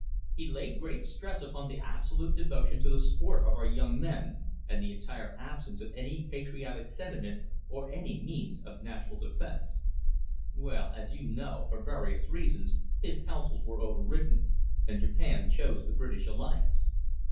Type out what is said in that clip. He laid great stress upon the absolute devotion to sport of our young men, and the entire absence of any patriotic sentiment or any means of national defence. Well, as you know, for various reasons his counsels were over ridden, and Japan chose the British alliance.